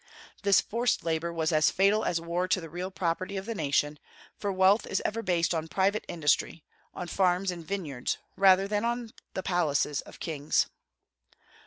This forced labor was as fatal as war to the real property of the nation, for wealth is ever based on private industry, on farms and vineyards, rather than on the palaces of kings.